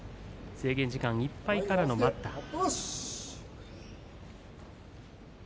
制限時間いっぱいからの待った。